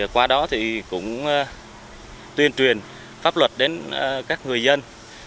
qua đó thì cũng tuyên truyền pháp luật đến các người dân